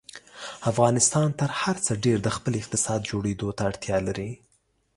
افغانستان تر هر څه ډېر د خپل اقتصاد جوړېدو ته اړتیا لري.